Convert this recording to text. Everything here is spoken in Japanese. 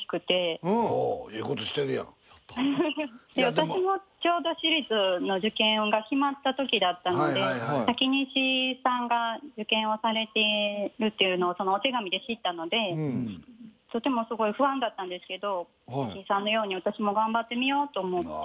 私もちょうど私立の受験が決まったときだったので先に石井さんが受験をされてるっていうのをそのお手紙で知ったのでとてもすごい不安だったんですけど石井さんのように私も頑張ってみようと思って。